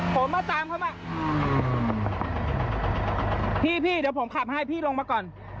ผมมาตามเขามาพี่พี่เดี๋ยวผมขับให้พี่ลงมาก่อน